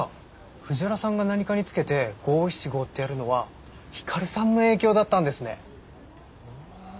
藤原さんが何かにつけて５７５ってやるのは光さんの影響だったんですね。